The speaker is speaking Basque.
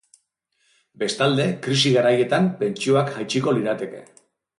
Bestalde, krisi garaietan, pentsioak jaitsiko lirateke.